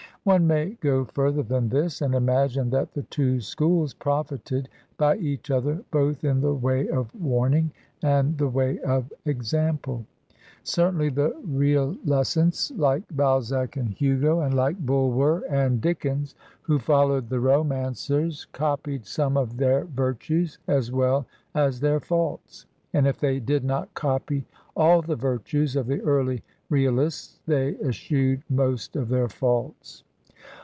One may go ftirther than this, and imagine that the two schools profited by each other both in the way of warning and the way of example. Certainly the real escents, like Balzac and Hugo, and Uke Bulwer and Dickens, who followed the romancers, copied some of their virtues as well as their faults ; and if they did not copy all the virtues of the early reaUsts, they eschewed most of their faults.